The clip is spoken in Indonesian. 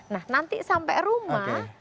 nah nanti sampai rumah